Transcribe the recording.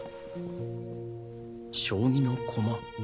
将棋の駒